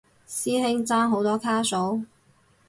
師兄爭好多卡數？